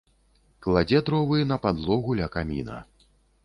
Кладзе дровы на падлогу ля каміна.